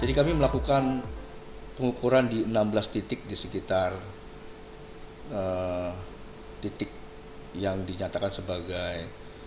jadi kami melakukan pengukuran di enam belas titik di sekitar titik yang dinyatakan sebagai